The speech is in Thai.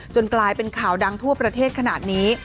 กลายเป็นข่าวดังทั่วประเทศขนาดนี้